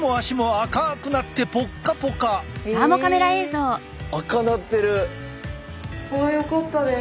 赤なってる！